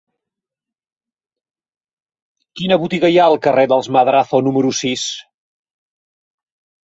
Quina botiga hi ha al carrer dels Madrazo número sis?